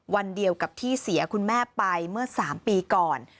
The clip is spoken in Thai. วันเดียวกับที่เสียคุณแม่ไปเมื่อ๓ปีก่อน